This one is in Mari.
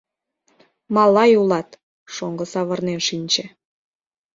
— Малай улат!.. — шоҥго савырнен шинче.